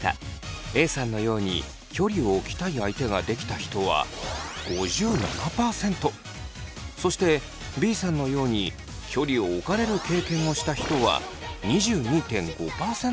Ａさんのように距離を置きたい相手ができた人はそしてＢさんのように距離を置かれる経験をした人は２２．５％いました。